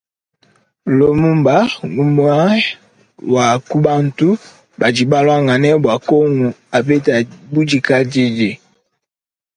Lumumba mgumue wa kubantu badi baluangane bua kongu apeta budikadidi.